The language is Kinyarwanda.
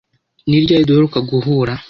Ni ryari duheruka guhura?